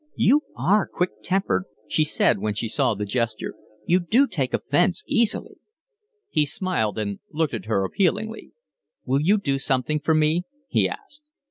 "You are quick tempered," she said, when she saw the gesture. "You do take offence easily." He smiled and looked at her appealingly. "Will you do something for me?" he asked.